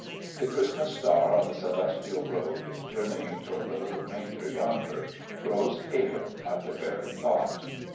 The Christmas star on the celestial road, journeying toward the little manger yonder, grows pale at the very thought.